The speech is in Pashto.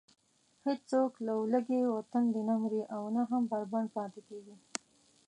هېڅوک له لوږې و تندې نه مري او نه هم بربنډ پاتې کېږي.